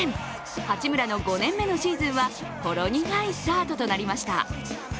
八村の５年目のシーズンはほろ苦いスタートとなりました。